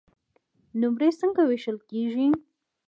نمرې څنګه وېشل کیږي؟